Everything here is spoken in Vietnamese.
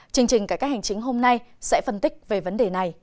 chương trình cải cách hành chính hôm nay sẽ phân tích về vấn đề này